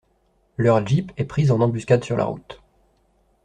Leur jeep est prise en embuscade sur la route.